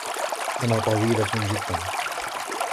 أنا طويلة جدا.